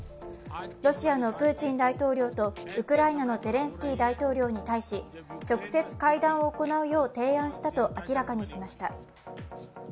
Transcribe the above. ロシアのプーチン大統領とウクライナのゼレンスキー大統領に対し、直接会談を行うよう提案したと明らかにしました。